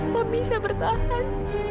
papa bisa bertahan